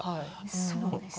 そうですね。